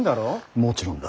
もちろんだ。